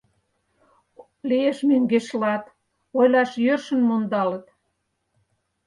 Лиеш мӧҥгешлат: ойлаш йӧршын мондалыт.